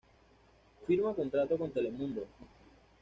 Firma contrato con Telemundo.